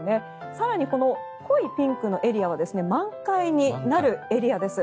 更にこの濃いピンクのエリアは満開になるエリアです。